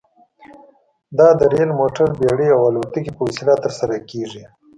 دا د ریل، موټر، بېړۍ او الوتکې په وسیله ترسره کیږي.